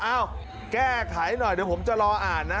แก้ไขหน่อยเดี๋ยวผมจะรออ่านนะ